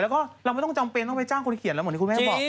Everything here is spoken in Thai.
แล้วก็เราไม่ต้องจำเป็นต้องไปจ้างคนเขียนแล้วเหมือนที่คุณแม่บอก